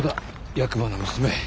役場の娘。